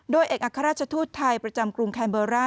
โดยเอกอัครราชทูตไทยประจำกรุงไมเบอร์ร่า